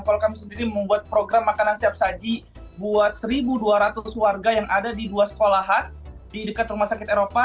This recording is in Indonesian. kalau kami sendiri membuat program makanan siap saji buat satu dua ratus warga yang ada di dua sekolahan di dekat rumah sakit eropa